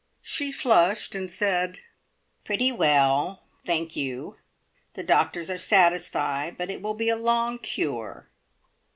She flushed, and said, "Pretty well, thank you. The doctors are satisfied, but it will be a long cure."